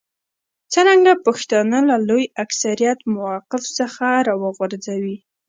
څرنګه پښتانه له لوی اکثریت موقف څخه راوغورځوي.